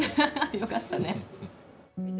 よかったね。